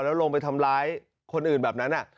แล้วลงไปทำร้ายคนอื่นแบบนั้น